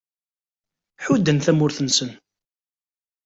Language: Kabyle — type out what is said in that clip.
Ḥudden tamurt-nnsen